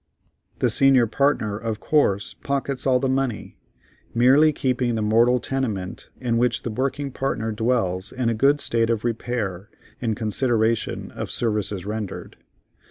The senior partner of course pockets all the money, merely keeping the mortal tenement in which the working partner dwells in a good state of repair, in consideration of services rendered.